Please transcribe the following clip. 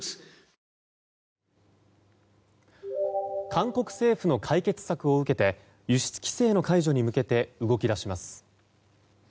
韓国政府の解決策を受けて輸出規制の解除に向けて動き出します。